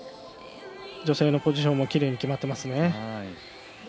女性のポジションもきれいに決まっています。